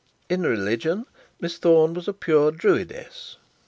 In religion, Miss Thorne was a pure Druidess.